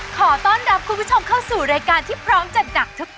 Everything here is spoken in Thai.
ขอต้อนรับคุณผู้ชมเข้าสู่รายการที่พร้อมจัดหนักทุกคน